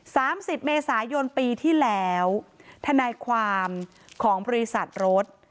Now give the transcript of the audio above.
สามสิบเมษายนปีที่แล้วทนายความของบริษัทรถ